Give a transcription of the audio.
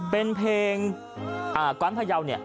เป็นเพลงกว้านพยาวเนี่ย